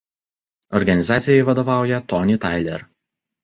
Organizacijai vadovauja Tony Tyler.